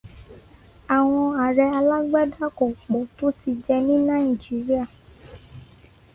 Àwọn ààrẹ alágbádá kò pọ̀ tó ti jẹ ní Nàíjíríà.